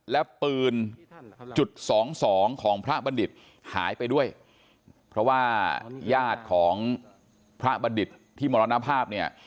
และปืนจุดสองสองของพระบัณฑิตหายไปด้วยเพราะว่าญาติของพระบัณฑิตที่มรณภาพเนี่ย